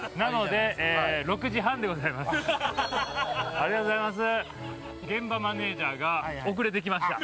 ありがとうございます。